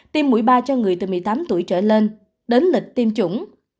tiêm mũi ba cho người từ một mươi tám tuổi trở lên đến lịch tiêm chủng